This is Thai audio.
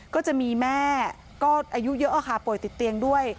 ก็จะมีแม่ก็อายุเยอะค่ะป่วยติดเตียงด้วย